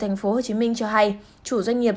tp hcm cho hay chủ doanh nghiệp